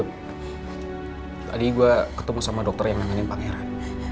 put tadi gue ketemu sama dokter yang nanginin pangeran